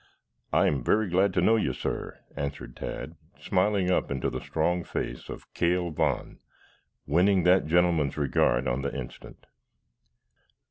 "I am very glad to know you, sir," answered Tad, smiling up into the strong face of Cale Vaughn, winning that gentleman's regard on the instant.